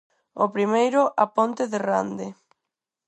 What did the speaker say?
O primeiro, a ponte de Rande.